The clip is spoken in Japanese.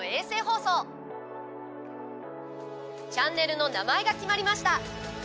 チャンネルの名前が決まりました。